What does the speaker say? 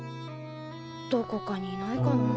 どこかにいないかなあ。